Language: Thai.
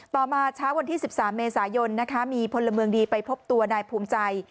มาเช้าวันที่๑๓เมษายนมีพลเมืองดีไปพบตัวนายภูมิใจ